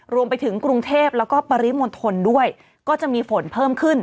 รวมไปถึงกรุงเทพแล้วก็ปริมณฑลด้วยก็จะมีฝนเพิ่มขึ้น